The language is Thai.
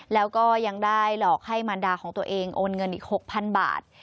แล้วก็ยังได้หลอกให้มารดาของตัวเองโอนเงินอีก๖๐๐๐บาท